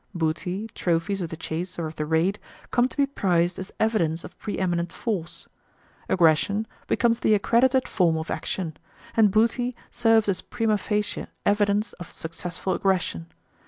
Booty, trophies of the chase or of the raid, come to be prized as evidence of pre eminent force. Aggression becomes the accredited form of action, and booty serves as prima facie evidence of successful aggression.